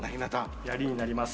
ヤリになります。